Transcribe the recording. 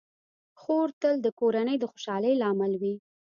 خور تل د کورنۍ د خوشحالۍ لامل وي.